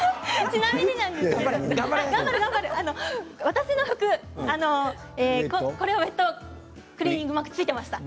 ちなみになんですけど私の服ウエットクリーニングマークついていました。